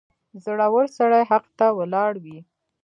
• زړور سړی حق ته ولاړ وي.